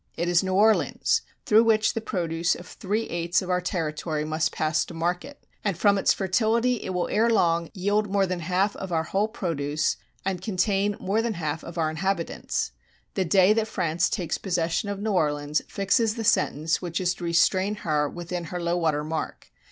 It is New Orleans, through which the produce of three eights of our territory must pass to market, and from its fertility it will ere long yield more than half of our whole produce and contain more than half of our inhabitants. ... The day that France takes possession of New Orleans fixes the sentence which is to restrain her within her low water mark.